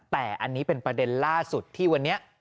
แต่อันนี้เป็นประเด็นล่าสุดที่วันนี้